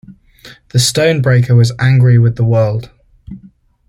The stone-breaker was angry with the world.